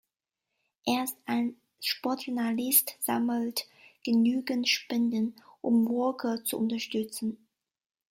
Erst ein Sportjournalist sammelte genügend Spenden, um Walker zu unterstützen.